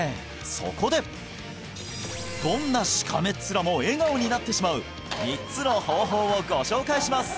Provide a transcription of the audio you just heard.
そこでどんなしかめっ面も笑顔になってしまう３つの方法をご紹介します！